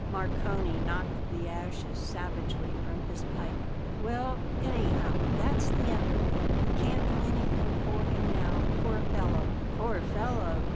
Marcone knocked the ashes savagely from his pipe. "Well, anyhow, that's the end of it; we can't do anything for him now, poor fellow." "Poor fellow!"